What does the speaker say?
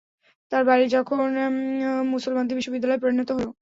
তাঁর বাড়ি তখন মুসলমানদের বিশ্ববিদ্যালয়ে পরিণত হল।